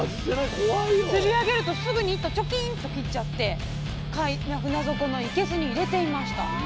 釣り上げるとすぐに糸チョキンと切っちゃって船底の生けすに入れていました。